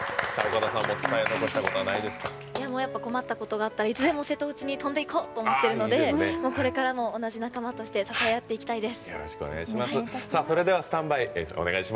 困ったことがあったらいつでも瀬戸内に飛んでいこうと思うのでこれからも同じ仲間として支え合っていきたいです。